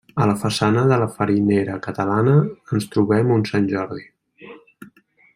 A la façana de la farinera catalana, ens trobem un Sant Jordi.